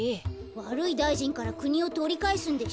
わるいだいじんからくにをとりかえすんでしょ。